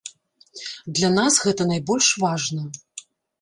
Для нас гэта найбольш важна.